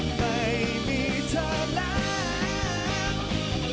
ไม่มีเธอแล้ว